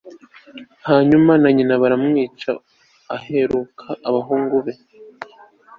hanyuma na nyina baramwica, aheruka abahungu be